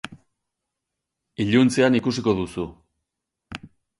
Iluntzean ikusiko duzu.